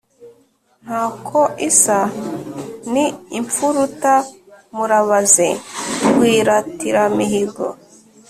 Ntako isa ni imfuruta murabaze Rwiratiramihigo,